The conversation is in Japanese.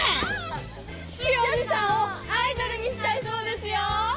潮路さんをアイドルにしたいそうですよ！